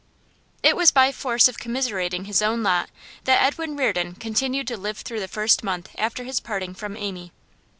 It was by force of commiserating his own lot that Edwin Reardon continued to live through the first month after his parting from Amy.